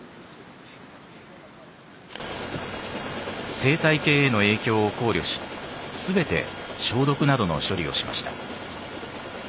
生態系への影響を考慮しすべて消毒などの処理をしました。